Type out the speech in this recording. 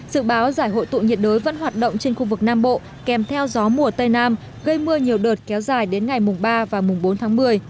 dự báo giải hội tụ nhiệt đới vẫn hoạt động trên khu vực nam bộ kèm theo gió mùa tây nam gây mưa nhiều đợt kéo dài đến ngày mùng ba và mùng bốn tháng một mươi